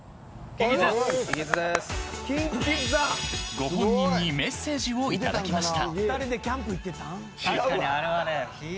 ご本人にメッセージをいただきました。